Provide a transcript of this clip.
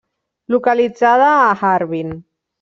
Localitzada a Harbin.